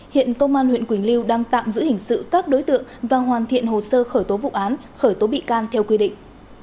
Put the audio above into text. hiện công an huyện quỳnh lưu đang tạm giữ hình sự các đối tượng và hoàn thiện hồ sơ khởi tố vụ án khởi tố bị can theo quy định